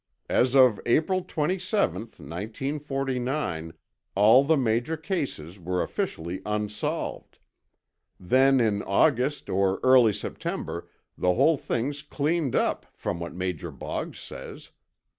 As of April twenty seventh, 1949, all the major cases were officially unsolved. Then in August or early September, the whole thing's cleaned up, from what Major Boggs says.